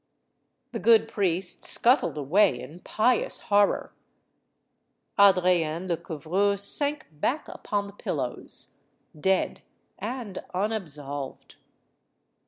The good priest scuttled away in pious horror. Adrienne Lecouvreur sank back upon the pillows, dead and unabsolved.